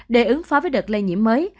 để ứng phó với đợt lây nhiễm mới